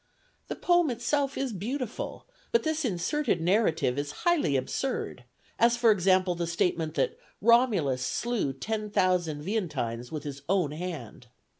The poem itself is beautiful, but this inserted narrative is highly absurd, as for example the statement that Romulus slew ten thousand Veientines with his own hand.